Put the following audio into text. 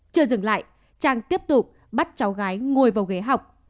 chưa dừng lại trang tiếp tục bắt cháu gái ngồi vào ghế học